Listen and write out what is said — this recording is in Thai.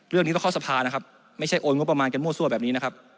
เรื่องนี้ต้องเข้าสภานะครับไม่ใช่โอนงบประมาณกันมั่วซั่วแบบนี้นะครับ